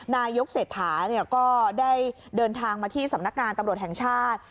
นายกเศรษฐาก็ได้เดินทางมาที่สำนักงานตำรวจแห่งชาติ